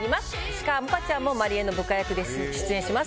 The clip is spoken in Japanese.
石川萌香ちゃんも万里江の部下役で出演します。